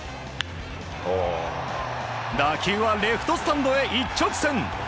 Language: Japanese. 打球はレフトスタンドへ一直線！